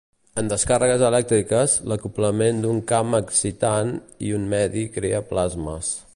En descàrregues elèctriques, l'acoblament d'un camp excitant i un medi crea plasmes.